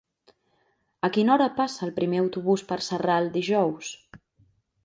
A quina hora passa el primer autobús per Sarral dijous?